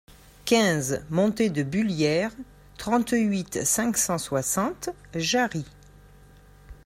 quinze montée de Bullières, trente-huit, cinq cent soixante, Jarrie